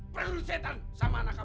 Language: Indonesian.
pergi ke setan sama anak kamu